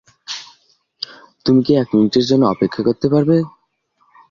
তুমি কি এক মিনিটের জন্য অপেক্ষা করতে পারবে?